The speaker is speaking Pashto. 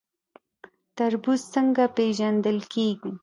تربوز څنګه پیژندل کیږي؟